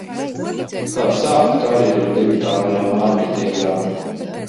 Kā sākt karjeru digitālajā mārketingā?